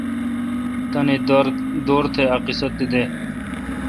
تاننی دور تہ۔ ا قیصہ دہ۔